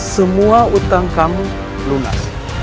semua utang kamu lunas